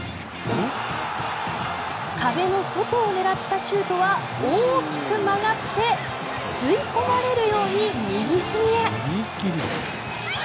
壁の外を狙ったシュートは大きく曲がって吸い込まれるように右隅へ。